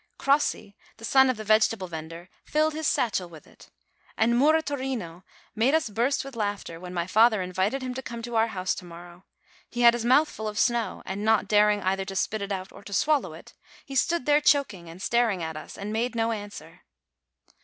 Crossi, the son of the vegetable vendor, filled his satchel with it. And "Muratorino" made us burst with laughter, when my father invited him to come to our house to morrow. He had his mouth full of snow, and, not daring either to spit it out or to swallow it, he stood there choking and staring at us, and made no answer.